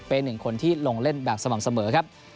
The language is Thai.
เป็นหนึ่งคนที่ลงเล่นแบบสม่ำเสมอครับ